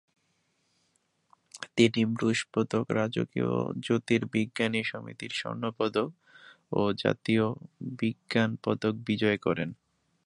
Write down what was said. তিনি ব্রুস পদক, রাজকীয় জ্যোতির্বিজ্ঞান সমিতির স্বর্ণপদক ও জাতীয় বিজ্ঞান পদক বিজয় করেন।